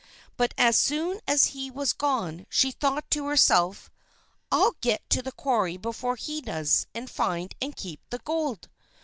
But as soon as he was gone she thought to herself: "I'll get to the quarry before he does, and find and keep the gold!"